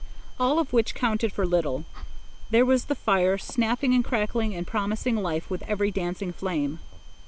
All of which counted for little. There was the fire, snapping and crackling and promising life with every dancing flame.